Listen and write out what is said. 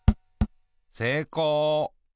せいこう。